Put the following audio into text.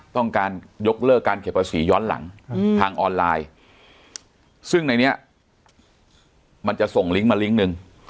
ต้องการยกเลิกการเก็บภาษีย้อนหลังทางออนไลน์ซึ่งในนี้มันจะส่งลิงก์มาลิงก์หนึ่ง